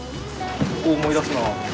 結構思い出すな。